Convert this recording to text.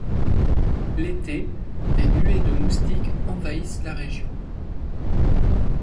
L'été, des nuées de moustiques envahissent la région.